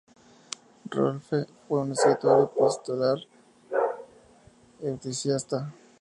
Rolfe fue un escritor epistolar entusiasta.